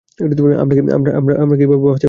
আমরা কি এভাবে বাঁচতে পারি?